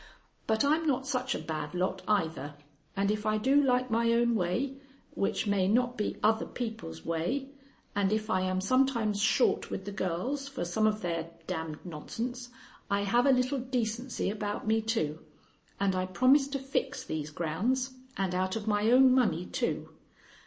But I'm not such a bad lot either, and if I do like my own way, which may not be other people's way, and if I am sometimes short with the girls for some of their d d nonsense, I have a little decency about me, too, and I promise to fix these grounds, and out of my own money, too.